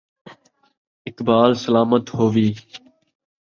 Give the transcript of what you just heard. اقبال سلامت ہووی